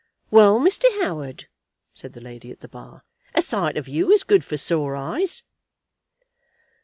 "Well, Mr. Howard," said the lady at the bar, "a sight of you is good for sore eyes."